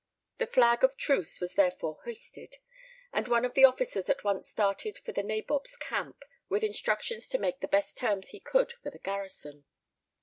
The flag of truce was therefore hoisted, and one of the officers at once started for the nabob's camp, with instructions to make the best terms he could for the garrison.